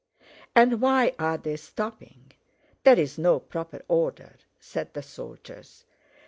"And why are they stopping? There's no proper order!" said the soldiers.